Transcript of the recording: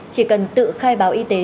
chỉ cần tự khai báo y tế